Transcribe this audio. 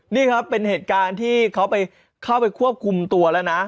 นี่ครับที่เขาข้าวไปควบคุมตัวแล้วนะ